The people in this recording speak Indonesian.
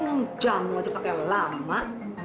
enam jam wajar pake lama